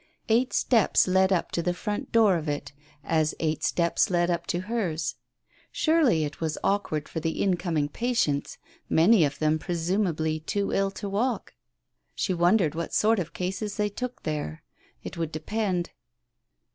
Eight steps led up to the front door of it, as eight steps led up to hers. Surely it was awkward for the incoming patients — many of them, presumably, too ill to walk? She wondered what sort of cases they took there. It would depend.